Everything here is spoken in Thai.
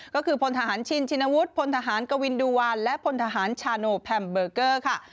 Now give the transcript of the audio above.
ก็คือพลทหารชินชินวุฒิพลทหารกวินดูวานและพลทหารชาโนแพมเบอร์เกอร์ค่ะ